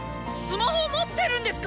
魔ホ持ってるんですか